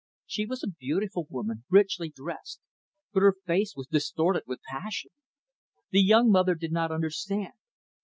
She was a beautiful woman, richly dressed; but her face was distorted with passion. The young mother did not understand.